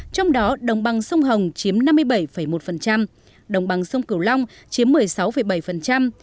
trong đó đồng bằng sông hồng chiếm năm mươi bảy một đồng bằng sông cửu long chiếm một mươi sáu bảy